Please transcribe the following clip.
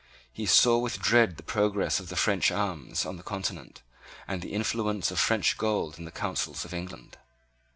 He saw with dread the progress of the French arms on the Continent and the influence of French gold in the counsels of England.